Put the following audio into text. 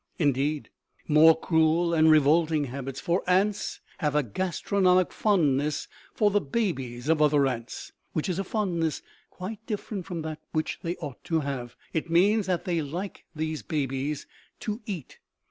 Indeed, more cruel and revolting habits. For ants have a gastronomic fondness for the babies of other ants, which is a fondness quite different from that which they ought to have. It means that they like these babies to eat.